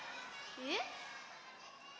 えっ？